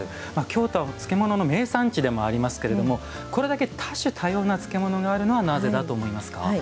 京都は漬物の名産地でもありますけれどもこれだけ多種多様な漬物があるのはなぜだと思いますか？